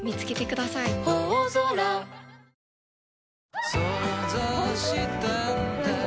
想像したんだ